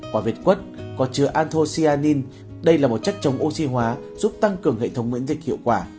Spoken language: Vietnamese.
quả việt quất có chứa anto cyanin đây là một chất chống oxy hóa giúp tăng cường hệ thống miễn dịch hiệu quả